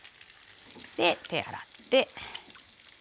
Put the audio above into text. で手洗って。